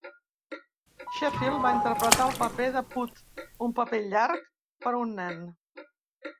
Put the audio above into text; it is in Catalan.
Sheffield va interpretar el paper de Pud, un paper llarg per a un nen.